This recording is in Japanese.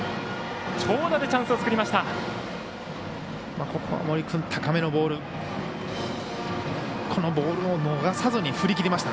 長打でチャンスを作りました。